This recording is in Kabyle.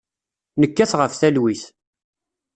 Nekkat ɣef talwit.